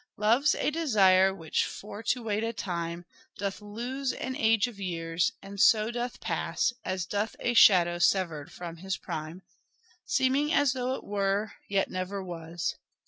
" Love's a desire, which, for to wait a time, Doth lose an age of years, and so doth pass As doth a shadow sever 'd from his prime, Seeming as though it were, yet never was.